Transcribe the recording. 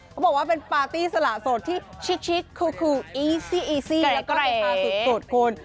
เขาบอกว่าเป็นปาร์ตี้สละสดที่ชิคคูลอีซิแล้วก็มีภาพสุดคน